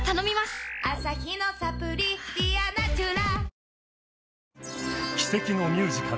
アサヒのサプリ「ディアナチュラ」